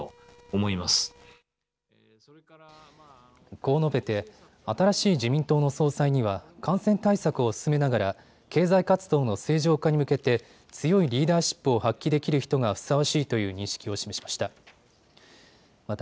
こう述べて新しい自民党の総裁には感染対策を進めながら経済活動の正常化に向けて強いリーダーシップを発揮できる人がふさわしいという認識を示しました。